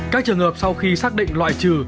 các trường hợp sau khi xác định loại trừ